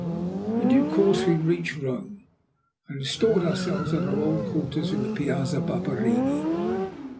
In due course we reached Rome, and installed ourselves at our old quarters in the Piazza Barberini.